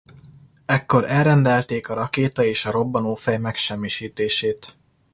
Ekkor elrendelték a rakéta és a robbanófej megsemmisítését.